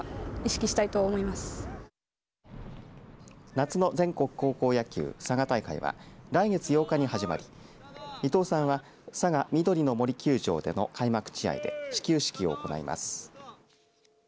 夏の全国高校野球佐賀大会は来月８日に始まり伊藤さんはさがみどりの森球場での開幕試合で始球式を行います。